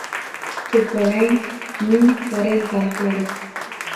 "To‘polang" ning forel baliqlari